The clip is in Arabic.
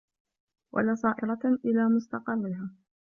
وَلَا صَائِرَةً إلَى مُسْتَقَرِّهَا